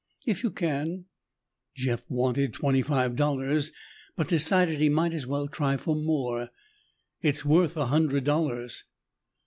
"If you can," Jeff wanted twenty five dollars but decided he might as well try for more. "It's worth a hundred dollars."